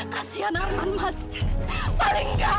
kasian arman mas